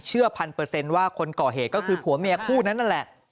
พันเปอร์เซ็นต์ว่าคนก่อเหตุก็คือผัวเมียคู่นั้นนั่นแหละ